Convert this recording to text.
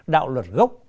đạo luật gốc